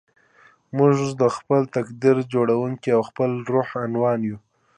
موږ د خپل تقدير جوړوونکي او د خپل روح عنوان يو.